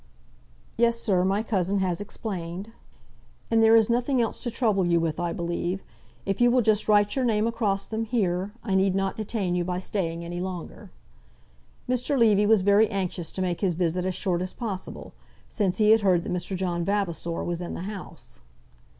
"Yes, sir; my cousin has explained." "And there is nothing else to trouble you with, I believe. If you will just write your name across them, here, I need not detain you by staying any longer." Mr. Levy was very anxious to make his visit as short as possible, since he had heard that Mr. John Vavasor was in the house.